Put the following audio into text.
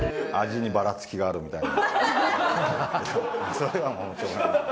それはもうしょうがないので。